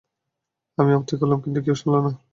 আমি আপত্তি করলাম, কিন্তু কেউ শুনলো না।